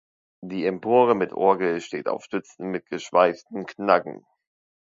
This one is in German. Die Empore mit Orgel steht auf Stützen mit geschweiften Knaggen.